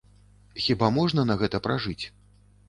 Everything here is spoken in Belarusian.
Хіба можна на гэта пражыць?